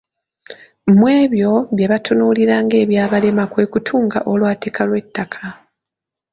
Mu ebyo bye batunuulira ng'ebyabalema kwe kutunga olwatika lw'ettaka.